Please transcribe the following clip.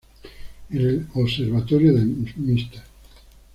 En el observatorio de Mr.